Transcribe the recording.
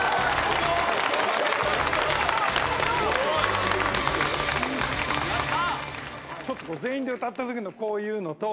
すごい！やった！